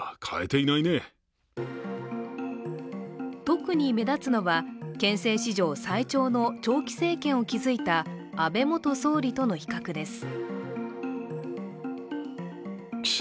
特に目立つのは、憲政史上最長の長期政権を築いた安倍元総理との比較です。